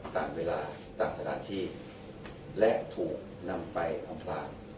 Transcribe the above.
ตามเวลาตามสถานที่และถูกนำไปอำพลาง